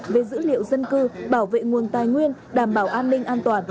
về dữ liệu dân cư bảo vệ nguồn tài nguyên đảm bảo an ninh an toàn